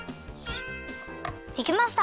できました！